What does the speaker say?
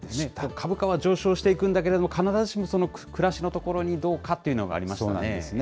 株価は上昇していくんだけれども、必ずしも暮らしのところにどうかっていうのがありましたよね。